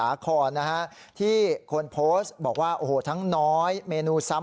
อะไรก็เป็นผักอ่ะถงอกเหรอค่ะ